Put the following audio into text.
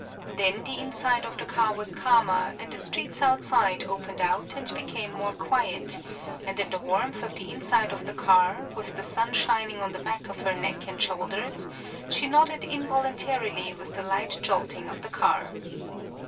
Then the inside of the 79 PAULOWNIA car was calmer and the streets outside opened out and became more quiet, and in the warmth of the inside of the car, with the sun shining on the back of her neck and shoulders, she nodded involun tarily with the light jolting of the car.